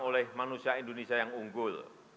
oleh manusia indonesia yang unggul